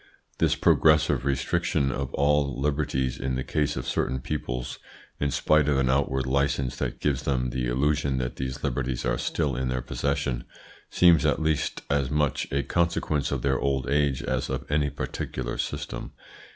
This progressive restriction of all liberties in the case of certain peoples, in spite of an outward license that gives them the illusion that these liberties are still in their possession, seems at least as much a consequence of their old age as of any particular system.